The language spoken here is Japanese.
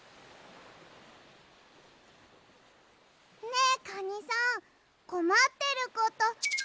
ねえカニさんこまってること。